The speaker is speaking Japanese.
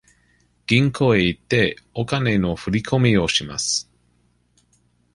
銀行へ行って、お金の振り込みをします。